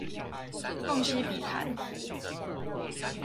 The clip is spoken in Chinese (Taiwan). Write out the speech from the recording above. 夢溪筆談